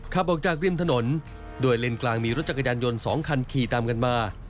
ขับออกจากริมถนนโดยเลนส์กลางมีรถจักรยานยนต์๒คันขี่ตามกันมา